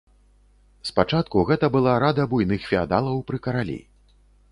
Спачатку гэта была рада буйных феадалаў пры каралі.